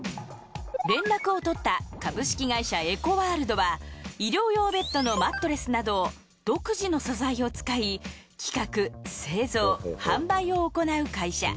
連絡を取った医療用ベッドのマットレスなどを独自の素材を使い企画製造販売を行う会社。